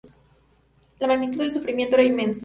La magnitud del sufrimiento era inmenso.